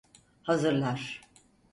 Hazırlar.